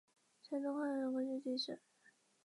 山东抗日根据地设。